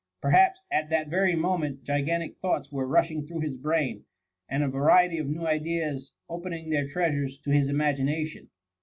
Per haps, at that very moment gigantic thoughts were rushing through his brain, and a variety of new ideas opening their treasures to his ima^ gination.